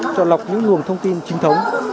chọn lọc những lường thông tin chính thống